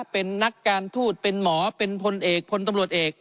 เป็นนักการทูตเป็นหมอเป็นพลเอกพลตำรวจเอก